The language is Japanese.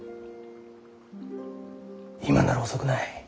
今なら遅くない。